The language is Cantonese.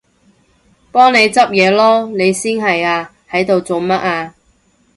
幫你執嘢囉！你先係啊，喺度做乜啊？